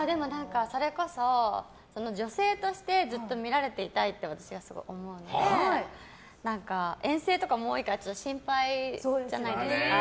それこそ女性としてずっと見られていたいって私はすごい思うので遠征とかも多いから心配じゃないですか。